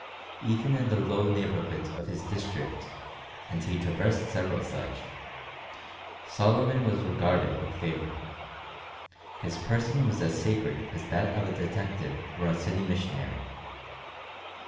Even in the low neighbourhoods of his district and he traversed several such Solomon was regarded with favour. His person was as sacred as that of a detective or a city missionary.